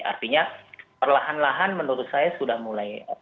artinya perlahan lahan menurut saya sudah mulai